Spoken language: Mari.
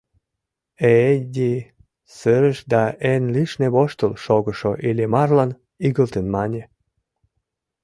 Ээди сырыш да эн лишне воштыл шогышо Иллимарлан игылтын мане: